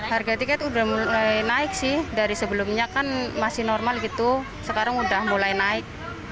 harga tiket udah mulai naik sih dari sebelumnya kan masih normal gitu sekarang udah mulai naik